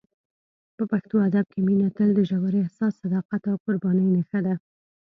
په پښتو ادب کې مینه تل د ژور احساس، صداقت او قربانۍ نښه ده.